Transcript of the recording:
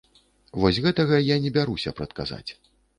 Вось гэтага я не бяруся прадказаць.